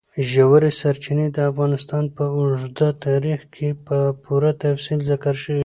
ژورې سرچینې د افغانستان په اوږده تاریخ کې په پوره تفصیل ذکر شوی.